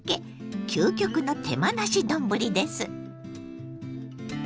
究極の手間なし丼です。